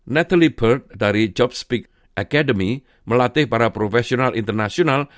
natalie bird dari jobspeak academy melatih para profesional internasional